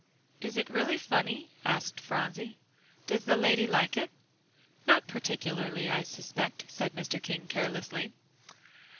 "Is it really funny?" asked Phronsie. "Does the lady like it?" "Not particularly, I suspect," said Mr. King carelessly.